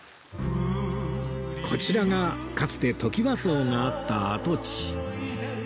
こちらがかつてトキワ荘があった跡地